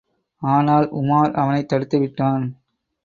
ஆனால், உமார் அவனைத் தடுத்துவிட்டான்.